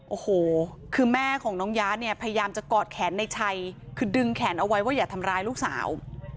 โอ้โหคือแม่ของน้องย้าเนี่ยพยายามจะกอดแขนในชัยคือดึงแขนเอาไว้ว่าอย่าทำร้ายลูกสาว